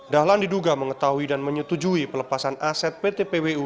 dahlan diduga mengetahui dan menyetujui pelepasan aset pt pwu